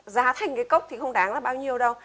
giá thành cái cốc thì không đáng là bao nhiêu đâu